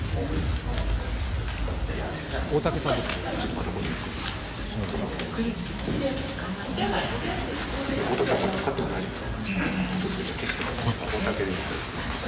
大竹さん、これ使ってもいいですか。